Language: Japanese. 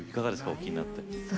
お聴きになって。